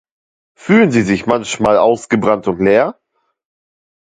Fühlen Sie sich manchmal ausgebrannt und leer?